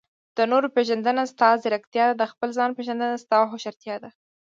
د نورو پېژندنه؛ ستا ځیرکتیا ده. د خپل ځان پېژندنه؛ ستا هوښيارتيا ده.